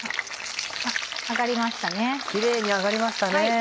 キレイに揚がりましたね。